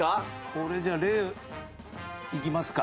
これじゃあいきますか。